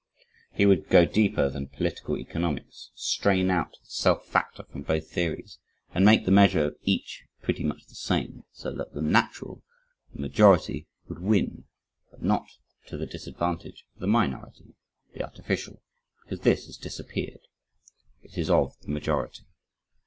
He would go deeper than political economics, strain out the self factor from both theories, and make the measure of each pretty much the same, so that the natural (the majority) would win, but not to the disadvantage of the minority (the artificial) because this has disappeared it is of the majority.